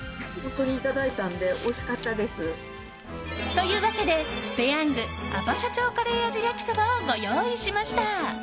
というわけで、ぺヤングアパ社長カレー味やきそばをご用意しました。